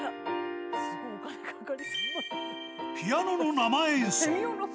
ピアノの生演奏。